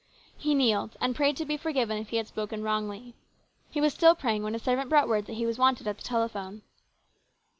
He kneeled and prayed to be forgiven if he had spoken wrongly. He was still praying when a servant brought word that he was wanted at the telephone.